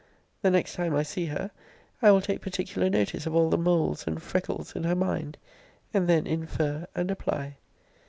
The next time I see her, I will take particular notice of all the moles and freckles in her mind; and then infer and apply.